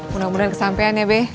mudah mudahan kesampean ya be